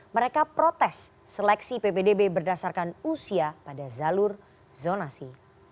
mereka protes seleksi ppdb berdasarkan usia pada zalur zonasi